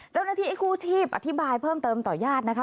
เจ้าหน้าที่กู้ชีพอธิบายเพิ่มเติมต่อญาตินะคะ